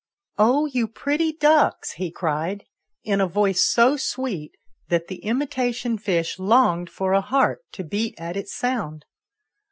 " Oh, you pretty ducks !" he cried, in a voice so sweet that the imitation fish longed for a heart to beat at its sound.